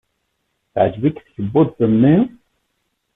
Teɛjeb-ik tkebbuḍt-nni?